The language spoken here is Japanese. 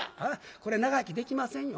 これ長生きできませんよ。